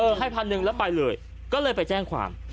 เออให้๑๐๐๐บาทค่ะแล้วไปเลยก็เลยไปแจ้งความ